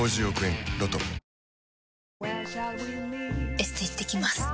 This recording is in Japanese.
エステ行ってきます。